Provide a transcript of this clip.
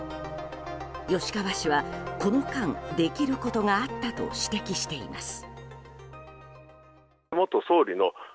吉川氏はこの間、できることがあったと指摘しています。